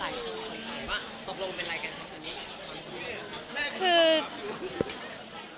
คุณสมบัติว่าตกลงเป็นอะไรกัน